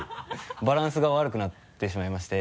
バランスが悪くなってしまいまして。